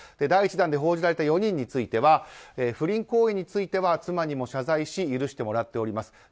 第１弾で報じた４人については不倫行為については妻にも謝罪し許してもらっています。